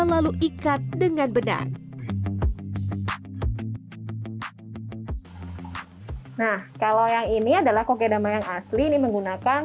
lalu ikat dengan benar nah kalau yang ini adalah kokedama yang asli ini menggunakan